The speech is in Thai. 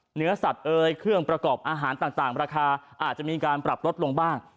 เนื้อสัตว์เอ่ยเครื่องประกอบอาหารต่างราคาอาจจะมีการปรับลดลงบ้าง